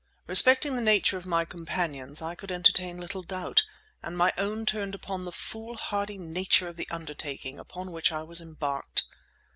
Respecting the nature of my companion's I could entertain little doubt, and my own turned upon the foolhardy nature of the undertaking upon which I was embarked.